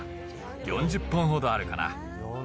４０本ほどあるかな。